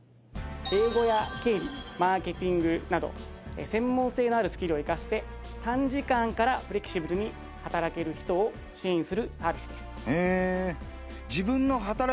英語や経理マーケティングなど専門性のあるスキルを生かして短時間からフレキシブルに働ける人を支援するサービスです。